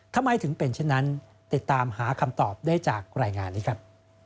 ทำไมถึงเป็นเช่นนั้นติดตามหาคำตอบได้จากรายงานนี้ครับ